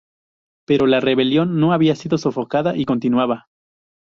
Pero la rebelión no había sido sofocada y continuaba.